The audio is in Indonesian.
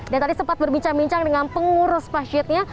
dan tadi sempat berbincang bincang dengan pengurus masjidnya